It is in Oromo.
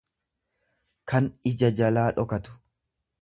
kan ija. jalaa dhokatu.